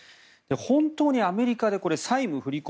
本当にアメリカで債務不履行